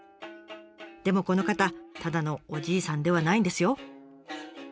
でもこの方ただのおじいさんではないんですよ。